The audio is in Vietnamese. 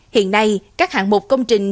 hiện nay các hạng mục công trình